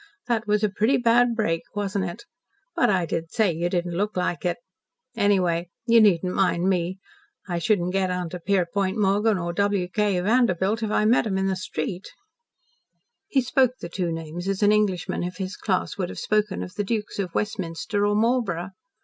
That was a pretty bad break, wasn't it? But I did say you didn't look like it. Anyway you needn't mind me. I shouldn't get onto Pierpont Morgan or W. K. Vanderbilt, if I met 'em in the street." He spoke the two names as an Englishman of his class would have spoken of the Dukes of Westminster or Marlborough.